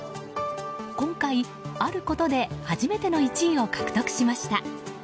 今回、あることで初めての１位を獲得しました。